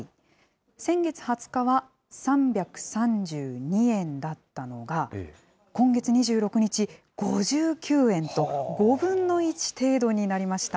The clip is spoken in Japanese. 先月２０日は３３２円だったのが、今月２６日、５９円と、５分の１程度になりました。